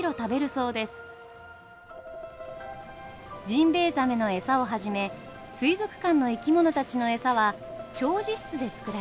ジンベエザメの餌をはじめ水族館の生き物たちの餌は調餌室で作られます。